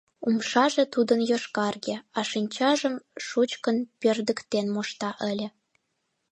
Умшаже тудын йошкарге, а шинчажым шучкын пӧрдыктен мошта ыле.